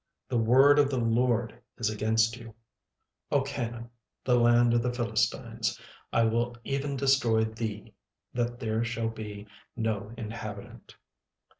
the word of the LORD is against you; O Canaan, the land of the Philistines, I will even destroy thee, that there shall be no inhabitant.